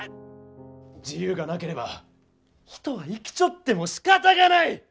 自由がなければ人は生きちょってもしかたがない！